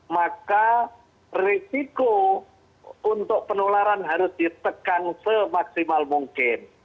maka risiko untuk penularan harus ditekan semaksimal mungkin